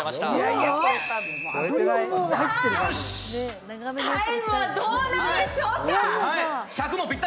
はい、タイムはどうなんでしょうか。